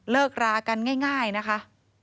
เลิกรากันง่ายนะคะ